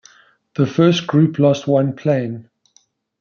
The first group lost one plane.